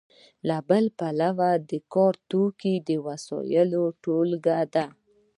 له بله پلوه د کار توکي د وسایلو ټولګه ده.